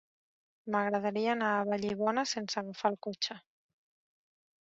M'agradaria anar a Vallibona sense agafar el cotxe.